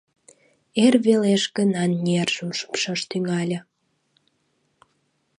Эр велеш гына нержым шупшаш тӱҥале.